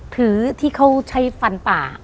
ถือที่เขาใช้ฟันป่า